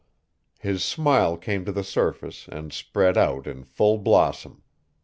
His smile came to the surface and spread out in full blossom.